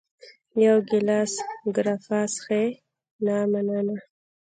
یو ګېلاس ګراپا څښې؟ نه، مننه.